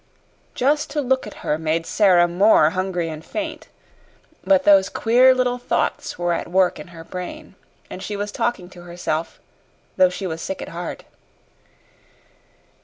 Just to look at her made Sara more hungry and faint. But those queer little thoughts were at work in her brain, and she was talking to herself, though she was sick at heart.